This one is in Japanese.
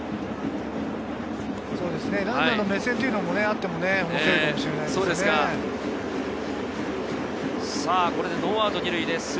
ランナーの目線というのもあっても面白いかもしれないですね。